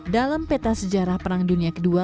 dalam peta sejarah perang dunia ii